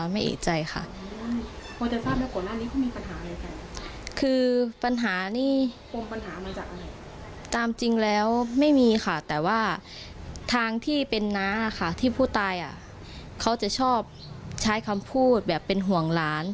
เพราะว่าทางที่เป็นน้าค่ะที่ผู้ตายเขาจะชอบใช้คำพูดแบบเป็นห่วงหลาน